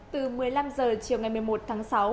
từ một mươi năm h chiều ngày một mươi một tháng sáu